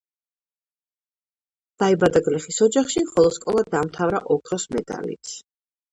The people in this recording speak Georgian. დაიბადა გლეხის ოჯახში, ხოლო სკოლა დაამთავრა ოქროს მედალით.